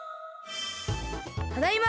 ただいま！